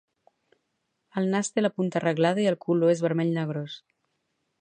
El nas té la punta arreglada i el color és vermell negrós.